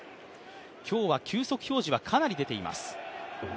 今日は球速表示はかなり出ています。